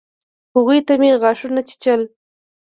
هغوى ته مې غاښونه چيچل.